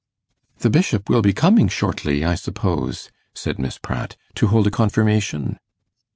'The Bishop will be coming shortly, I suppose,' said Miss Pratt, 'to hold a confirmation?